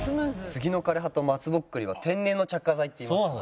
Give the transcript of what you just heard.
スギの枯れ葉とまつぼっくりは天然の着火剤っていいますから。